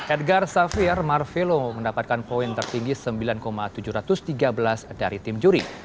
edgar safir marvelo mendapatkan poin tertinggi sembilan tujuh ratus tiga belas dari tim juri